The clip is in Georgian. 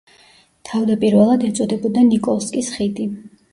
თავდაპირველად ეწოდებოდა ნიკოლსკის ხიდი.